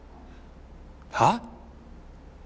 はあ？